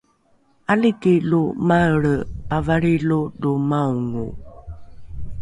’aliki lo maelre pavalrilo lo maongo